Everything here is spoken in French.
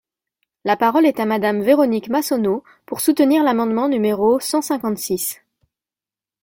La parole est à Madame Véronique Massonneau, pour soutenir l’amendement numéro cent cinquante-six.